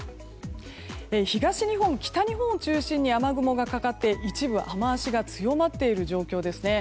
東日本、北日本を中心に雨雲がかかって一部、雨脚が強まっている状況ですね。